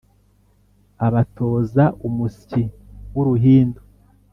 Abatoza umusyi w'uruhindu